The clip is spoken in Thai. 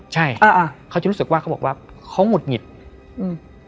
ใช่อ่าอ่าเขาจะรู้สึกว่าเขาบอกว่าเขาหงุดหงิดอืม